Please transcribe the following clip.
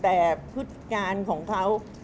แต่พฤติการของเขา